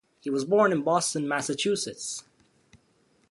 He was born in Boston, Massachusetts.